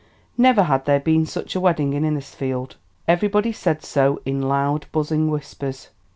Never had there been such a wedding in Innisfield. Everybody said so in loud, buzzing whispers.